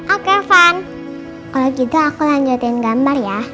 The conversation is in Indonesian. oke van kalau gitu aku lanjutin gambar ya